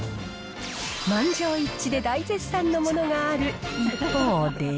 満場一致で大絶賛のものがある一方で。